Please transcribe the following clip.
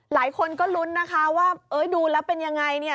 หลายคนก็ลุ้นนะคะว่าเอ้ยดูแล้วเป็นยังไงเนี่ย